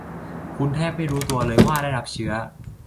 คุณแทบจะไม่รู้ตัวเลยว่าได้รับเชื้อ